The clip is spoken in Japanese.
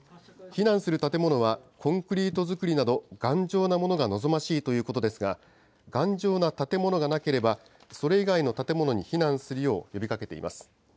避難する建物は、コンクリート造りなど頑丈なものが望ましいということですが、頑丈な建物がなければ、それ以外の建物に避難するよう呼びかけています。